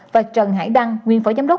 và trần hải đăng nguyên phó giám đốc